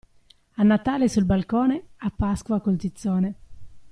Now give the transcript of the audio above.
A Natale sul balcone, a Pasqua col tizzone.